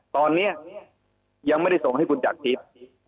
ตอนนี้ยังไม่ได้ส่งการให้คุณจักรทริป